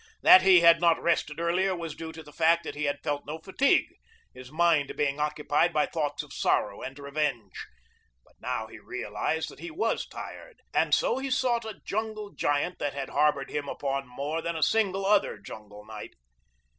That he had not rested earlier was due to the fact that he had felt no fatigue, his mind being occupied by thoughts of sorrow and revenge; but now he realized that he was tired, and so he sought a jungle giant that had harbored him upon more than a single other jungle night.